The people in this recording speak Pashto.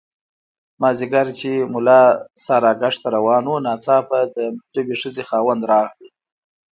مازیګر چې ملا ساراګشت ته روان وو ناڅاپه د مطلوبې ښځې خاوند راغی.